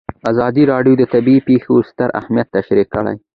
ازادي راډیو د طبیعي پېښې ستر اهميت تشریح کړی.